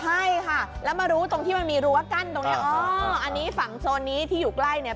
ใช่ค่ะแล้วมารู้ตรงที่มันมีรั้วกั้นตรงนี้อ๋ออันนี้ฝั่งโซนนี้ที่อยู่ใกล้เนี่ย